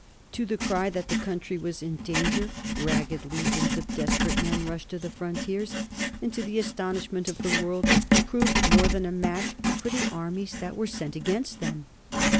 To the cry that the country was in danger ragged legions of desperate men rushed to the frontiers, and, to the astonishment of the world, proved more than a match for the armies that were sent against them.